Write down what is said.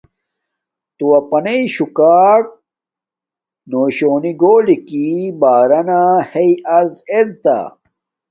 تو اپانݵ شونا شوکاک یا شونی گولی کی بارانا ہݵ عرض ارتہ۔